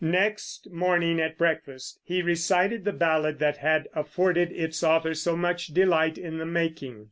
Next morning at breakfast he recited the ballad that had afforded its author so much delight in the making.